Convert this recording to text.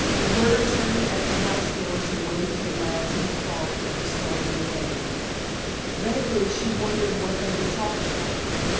Roberta turned at the house door to wave to the lads in the car that was starting away. Vaguely she wondered what they would talk about.